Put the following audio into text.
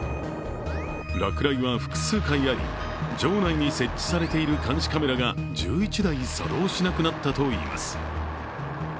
落雷は複数回あり、城内に設置されている監視カメラが１１台作動しなくなったといいます。